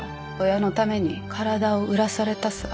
親のために体を売らされたさ。